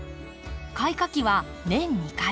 開花期は年２回。